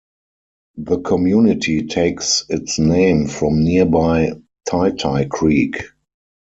The community takes its name from nearby Ty Ty Creek.